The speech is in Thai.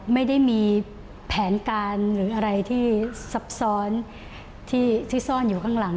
ไม่ได้มีแผนการหรืออะไรที่ซับซ้อนที่ซ่อนอยู่ข้างหลัง